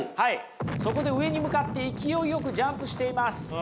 そこで上に向かって勢いよくジャンプしています。